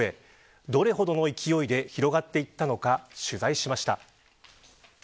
どれほどの勢いで広がっていったのか取材しました。